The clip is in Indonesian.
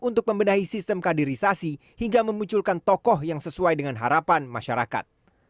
untuk membenahi sistem kaderisasi hingga memunculkan tokoh yang sesuai dengan harapan masyarakat